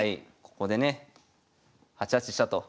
ここでね８八飛車と。